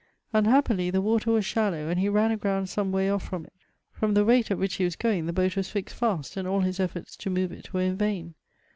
Unhappily the water was shallow, and he ran aground some way off from it. From the rate at which he was going the boat was fixed fast, and all his efforts to inove it were in vain.